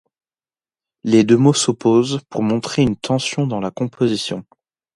Les deux mots s'opposent, pour montrer une tension dans la composition.